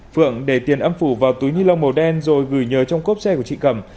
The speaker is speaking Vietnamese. phượng để tiền âm phủ vào túi nhi lông màu đen rồi gửi nhớ trong cốp xe của chị cẩm